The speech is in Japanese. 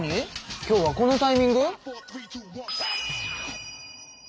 今日はこのタイミング？